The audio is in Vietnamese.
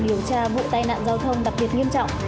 điều tra vụ tai nạn giao thông đặc biệt nghiêm trọng